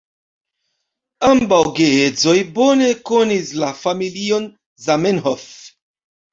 Ambaŭ geedzoj bone konis la familion Zamenhof.